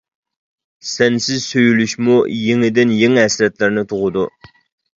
سەنسىز سۆيۈلۈشمۇ يېڭىدىن يېڭى ھەسرەتلەرنى تۇغىدۇ.